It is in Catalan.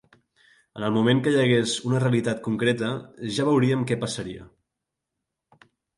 En el moment que hi hagués una realitat concreta ja veuríem què passaria.